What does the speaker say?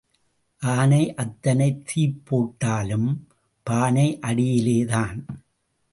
ஆனை அத்தனை தீப்போட்டாலும் பானை அடியிலேதான்.